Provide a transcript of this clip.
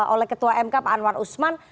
oleh ketua mk pak anwar usman